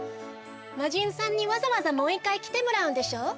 まじんさんにわざわざもう１かいきてもらうんでしょ？